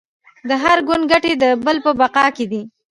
د هر ګوند ګټې د بل په بقا کې دي